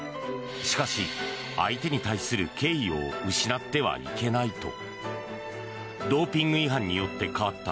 しかし、相手に対する敬意を失ってはいけないと。